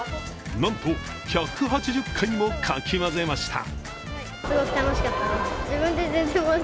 なんと、１８０回もかき混ぜました。